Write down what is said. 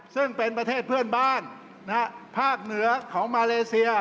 ซึ่งเป็นประเทศเพื่อนบ้านภาคเหนือของมาเลเซีย